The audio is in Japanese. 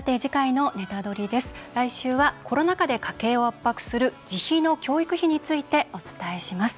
来週は、コロナ禍で家計を圧迫する自費の教育費についてお伝えします。